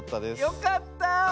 よかった。